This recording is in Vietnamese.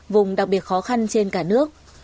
vùng đặc biệt khó khăn trên cả nước